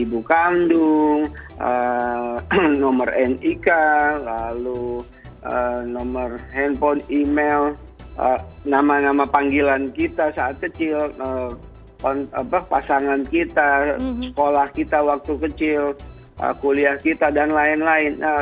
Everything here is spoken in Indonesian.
ibu kandung nomor nik lalu nomor handphone email nama nama panggilan kita saat kecil pasangan kita sekolah kita waktu kecil kuliah kita dan lain lain